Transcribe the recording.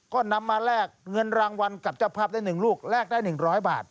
ก็นำมาแลกเงินรางวัลกับเจ้าภาพได้๑ลูกแลกได้๑๐๐บาท